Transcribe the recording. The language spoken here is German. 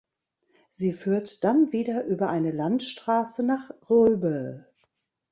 Sie führt dann wieder über eine Landstraße nach Röbel.